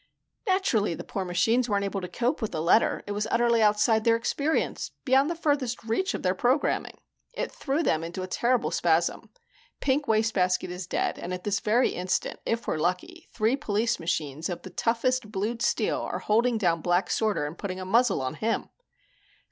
"Naturally the poor machines weren't able to cope with the letter. It was utterly outside their experience, beyond the furthest reach of their programming. It threw them into a terrible spasm. Pink Wastebasket is dead and at this very instant, if we're lucky, three police machines of the toughest blued steel are holding down Black Sorter and putting a muzzle on him."